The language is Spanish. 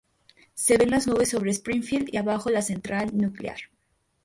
Se ven las nubes sobre Springfield, y abajo la central nuclear.